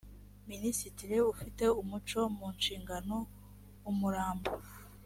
minisitiri ufite umuco mu nshingano umurambo